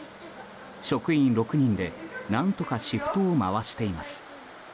職員６人で何とかシフトを回しています。